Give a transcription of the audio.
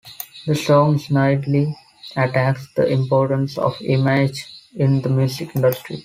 The song snidely attacks the importance of image in the music industry.